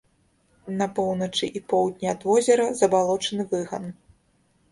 На поўначы і поўдні ад возера забалочаны выган.